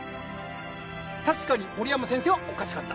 確かに森山先生はおかしかった。